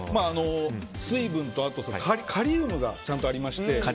水分と、カリウムがちゃんとありまして。